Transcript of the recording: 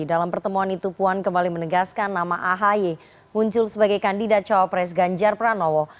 dalam pertemuan itu puan kembali menegaskan nama ahy muncul sebagai kandidat cawapres ganjar pranowo